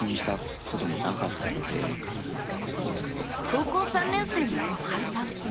高校３年生の心春さん。